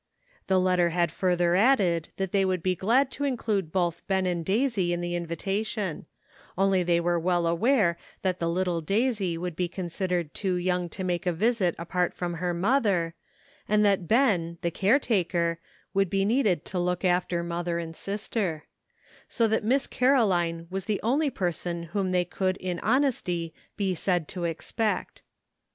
The letter had further added that they would be glad to include both Ben and Daisy in the invitation, only they were well aware that the little Daisy would be considered too young to make a visit apart from her mother, and that Ben, the care taker, would be needed to look after mother and sister ; so that Miss Caroline DISAPPOINTMENT, 9 was the only person whom they could in hon esty be said to expect.